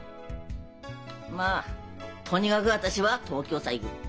まあとにかく私は東京さ行く。